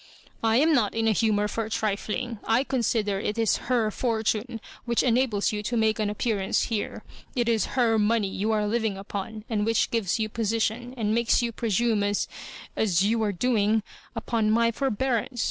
"I am not in a humour for trifiing. I consider it is her fortune which enables you to make an appearance here. It is Tier money you are living upon, and which gives you position, and makes you presume as — as you are doing — upqn my forbearance.